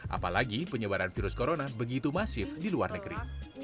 apalagi penyebaran virus corona begitu masif di luar negeri